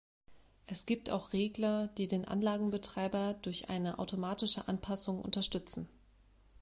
Es gibt auch Regler, die den Anlagenbetreiber durch eine automatische Anpassung unterstützen.